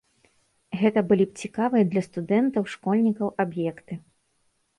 Гэта былі б цікавыя для студэнтаў, школьнікаў аб'екты.